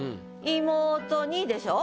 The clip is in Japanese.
「妹に」でしょ？